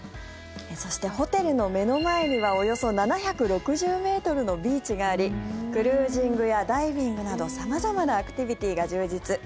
そして、ホテルの目の前にはおよそ７６０ｍのビーチがありクルージングやダイビングなど様々なアクティビティーが充実。